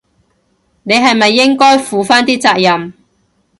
你係咪應該負返啲責任？